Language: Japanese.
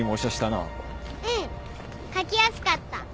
うん書きやすかった。